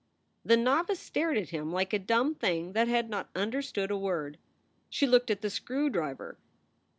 The novice stared at him like a dumb thing that had not understood a word. She looked at the screw driver.